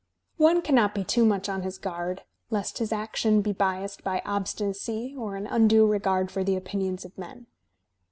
"One cannot be too much on his guard ... lest his action be biased by obstinacy or an undue regard for the opinions of men."